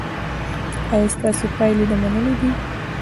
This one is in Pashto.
ایا ستاسو پایلې د منلو دي؟